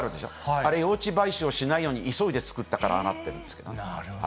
あれ、用地買収をしないでいいように急いで作ったからああなってるんでなるほど。